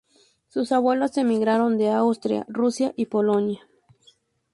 Sus abuelos emigraron de Austria, Rusia y Polonia.